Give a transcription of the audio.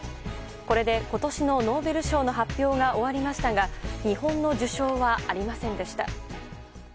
これで今年のノーベル賞の発表が終わりましたが日本の受賞はありませんでした。